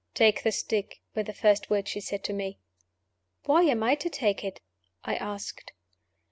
"Take the stick" were the first words she said to me. "Why am I to take it?" I asked.